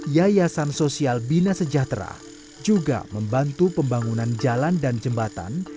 yayasan sosial bina sejahtera juga membantu pembangunan jalan dan jembatan